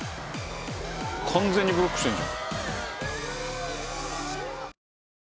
完全にブロックしてるじゃん。